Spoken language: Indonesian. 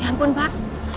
ya ampun pak